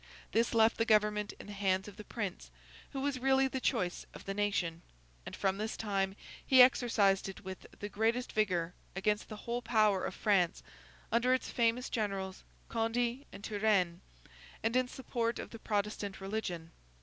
This left the government in the hands of the Prince, who was really the choice of the nation; and from this time he exercised it with the greatest vigour, against the whole power of France, under its famous generals Condé and Turenne, and in support of the Protestant religion.